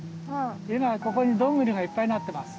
今ここにどんぐりがいっぱいなってます。